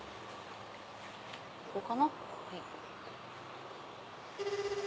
ここかな。